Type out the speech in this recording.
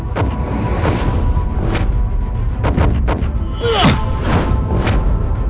sangat ada persenjataan